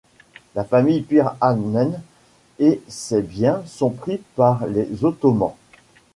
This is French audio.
La famille Pîr-Ahmed et ses biens sont pris par les Ottomans.